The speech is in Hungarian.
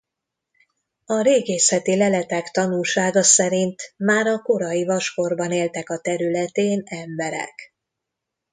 A régészeti leletek tanúsága szerint már a korai vaskorban éltek a területén emberek.